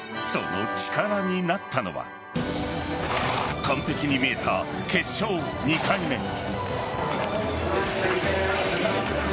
その力になったのは完璧に見えた決勝２回目。